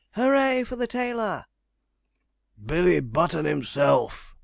'Hoo ray for the tailor!' 'Billy Button, himself!'